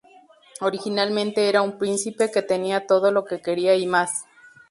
Originalmente era un príncipe que tenía todo lo que quería y más.